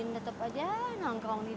tetap saja menangkang dia